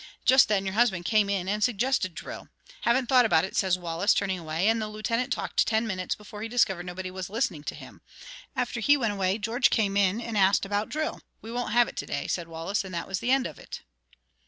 Just then your husband came in and suggested drill. 'Haven't thought about it,' says Wallace, turning away, and the Lieutenant talked ten minutes before he discovered nobody was listening to him. After he went away, George came in and asked about drill. 'We won't have it to day,' said Wallace, and that was the end of it."